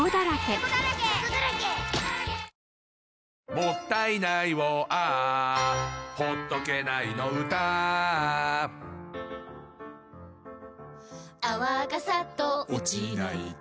「もったいないをＡｈ」「ほっとけないの唄Ａｈ」「泡がサッと落ちないと」